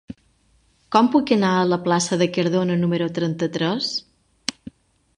Com puc anar a la plaça de Cardona número trenta-tres?